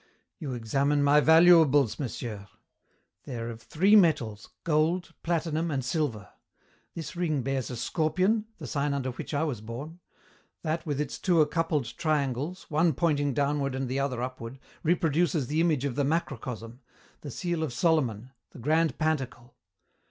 "You examine my valuables, monsieur. They are of three metals, gold, platinum, and silver. This ring bears a scorpion, the sign under which I was born. That with its two accoupled triangles, one pointing downward and the other upward, reproduces the image of the macrocosm, the seal of Solomon, the grand pantacle.